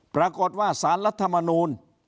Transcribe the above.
ปรากฏว่าสารรัฐมนูล